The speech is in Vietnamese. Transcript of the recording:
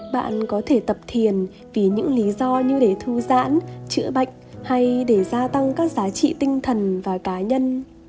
bạn có thể tập thiền vì những lý do như để thư giãn chữa bệnh hay để gia tăng các giá trị tinh thần và cá nhân